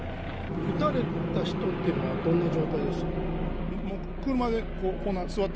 撃たれた人っていうのは、どんな状態でした？